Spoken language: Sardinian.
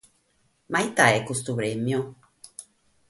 Ma ite est custu prèmiu?